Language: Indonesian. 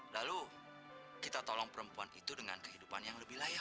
lalu kita tolong perempuan itu dengan kehidupan yang lebih layak